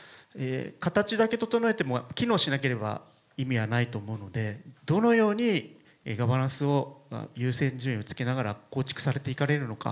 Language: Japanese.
形だけ整えても、機能しなければ意味はないと思うので、どのようにガバナンスを優先順位をつけながら構築されていかれるのか。